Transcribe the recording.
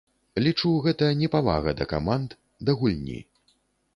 Лічу, гэта непавага да каманд, да гульні.